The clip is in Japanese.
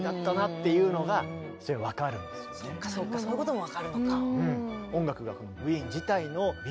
そっかそっかそういうことも分かるのか。